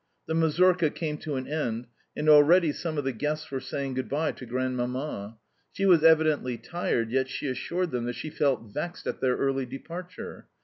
The mazurka came to an end, and already some of the guests were saying good bye to Grandmamma. She was evidently tired, yet she assured them that she felt vexed at their early departure.